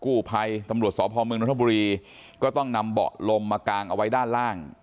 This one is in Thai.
กู้ภัยตำรวจสพเมืองนทบุรีก็ต้องนำเบาะลมมากางเอาไว้ด้านล่าง